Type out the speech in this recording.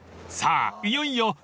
［さあいよいよ！